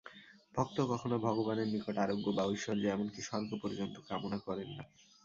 ভক্ত কখনও ভগবানের নিকট আরোগ্য বা ঐশ্বর্য, এমন-কি স্বর্গ পর্যন্ত কামনা করেন না।